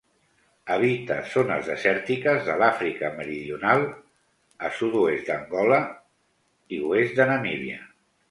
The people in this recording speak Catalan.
Habita zones desèrtiques de l'Àfrica Meridional, a sud-oest d'Angola i oest de Namíbia.